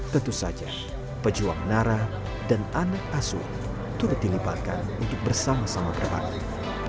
tentu saja pejuang nara dan anak asuh turut dilibatkan untuk bersama sama berbakti